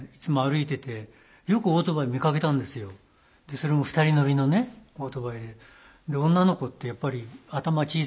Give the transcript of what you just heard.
それも２人乗りのねオートバイで。